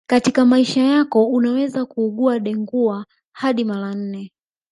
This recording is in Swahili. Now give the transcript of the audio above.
Katika maisha yako unaweza kuugua Dengua hadi mara nne